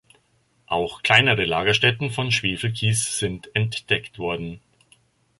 Auch kleinere Lagerstätten von Schwefelkies sind entdeckt worden.